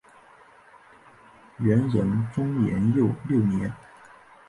元仁宗延佑六年。